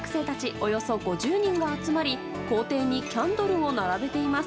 およそ５０人が集まり校庭にキャンドルを並べています。